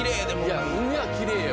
いや海はきれいよ。